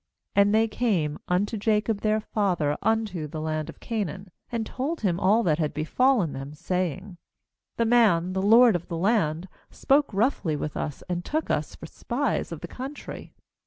29And they came unto Jacob their father unto the land of Canaan, and told him all that had befallen them, saying: 3°'The man, the lord of the land, spoke roughly with us, and took us for spies of the country.